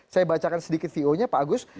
saya bacakan sedikit vo nya pak agus